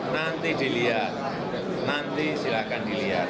nanti dilihat nanti silahkan dilihat